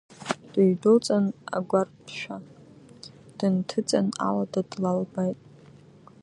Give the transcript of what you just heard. Дыҩдәылҵын, агәарԥҭшәа дынҭыҵын, алада длалбааит.